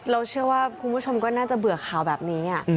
เราเชื่อว่าคุณผู้ชมก็น่าจะเบื่อข่าวแบบนี้